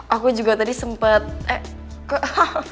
aku juga tadi sempet eh kok